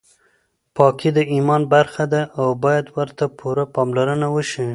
پاکي د ایمان برخه ده او باید ورته پوره پاملرنه وشي.